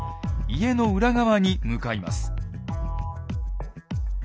家の裏側に向かいます。